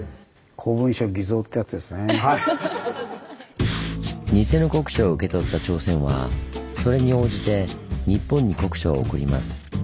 偽の国書を受け取った朝鮮はそれに応じて日本に国書を送ります。